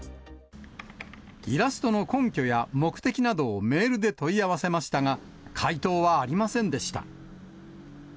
イラストの根拠や目的などをメールで問い合わせましたが、回答はありませんでした。